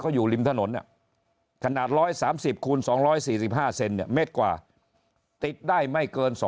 เขาอยู่ริมถนนขนาด๑๓๐คูณ๒๔๕เซนเมตรกว่าติดได้ไม่เกิน